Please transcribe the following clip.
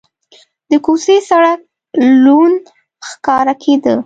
د کوڅې سړک لوند ښکاره کېده.